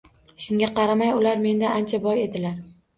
Shunga qaramay, ular mendan ancha boy edilar